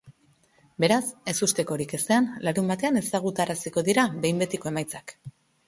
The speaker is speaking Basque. Beraz, ezustekorik ezean, larunbatean ezagutaraziko dira behin betiko emaitzak.